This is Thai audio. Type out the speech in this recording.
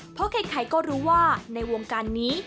เพราะใครก็รู้ว่าในวงการนี้